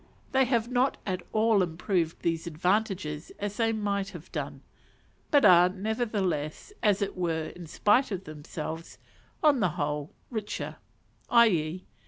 They have not at all improved these advantages as they might have done; but are, nevertheless, as it were in spite of themselves, on the whole, richer _i.e.